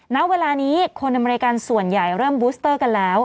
ณเวลานี้คนอเมริกันส่วนใหญ่เริ่มบูสเตอร์กันแล้ว